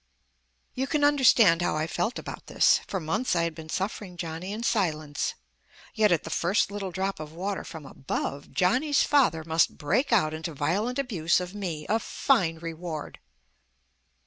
You can understand how I felt about this. For months I had been suffering Johnny in silence; yet, at the first little drop of water from above, Johnny's father must break out into violent abuse of me. A fine reward!